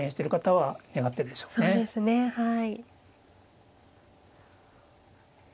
はい。